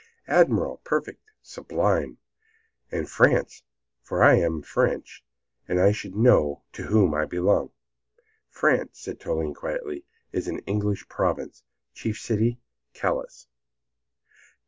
"Admirable! perfect! sublime! And France, for I am French, and I should like to know to whom I belong." "France," said Toline, quietly, "is an English province; chief city, Calais."